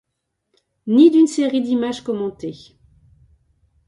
Ni d'une série d'images commentées.